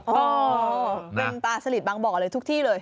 โอ้โหเป็นปลาสลิดบางบ่อเลยทุกที่เลย